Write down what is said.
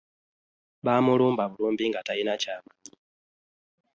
Baamulumba bulumbi nga talina ky'amanyi.